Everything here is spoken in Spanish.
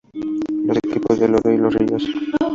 Los equipos de El Oro y Los Ríos.